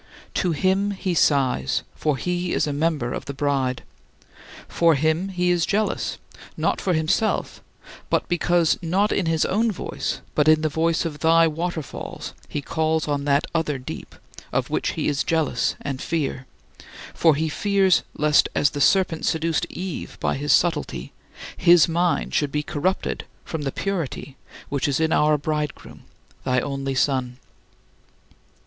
To Him he sighs, for he is a member of the Bride; for him he is jealous, not for himself, but because not in his own voice but in the voice of thy waterfalls he calls on that other deep, of which he is jealous and in fear; for he fears lest, as the serpent seduced Eve by his subtlety, his mind should be corrupted from the purity which is in our Bridegroom, thy only Son.